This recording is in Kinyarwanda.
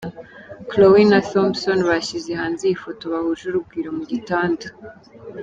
Khloe na Thompson bashyize hanze iyi foto bahuje urugwiro mu gitanda.